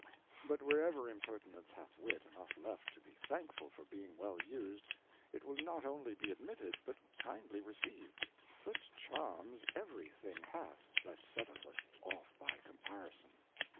But wherever Impertinence hath Wit enough left to be thankful for being well used, it will not only be admitted, but kindly received ; such Charms every thing hath that setteth us off by Comparison.